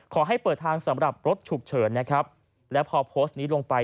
ขอให้เปิดทางสำหรับรถฉุกเฉินนะครับและพอโพสต์นี้ลงไป